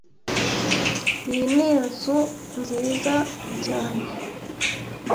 Iyi ni inzu nziza cyane